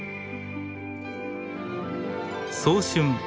早春